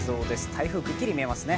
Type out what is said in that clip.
台風くっきり見えますね。